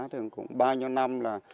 thường cũng bao nhiêu năm là